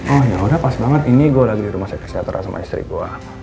oh yaudah pas banget ini gue lagi di rumah sakit sejahteraan sama istri gue